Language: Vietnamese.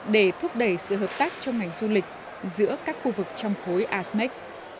để thúc đẩy sự hợp tác trong ngành du lịch giữa các khu vực trong khối asmec